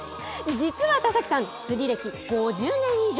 実は田崎さん、釣り歴５０年以上。